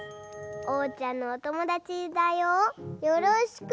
おうちゃんのおともだちだよよろしくね。